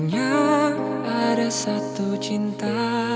hanya ada satu cinta